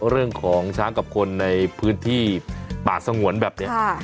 เรื่องของช้างกับคนในพื้นที่ป่าสงวนแบบนี้